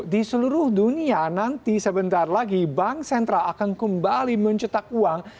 di seluruh dunia nanti sebentar lagi bank sentral akan kembali mencetak uang